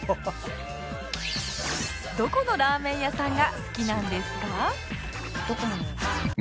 どこのラーメン屋さんが好きなんですか？